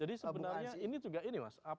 jadi sebenarnya ini juga ini mas